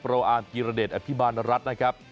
เราอ่านกิรเดชอภิบาณรัฐนะครับ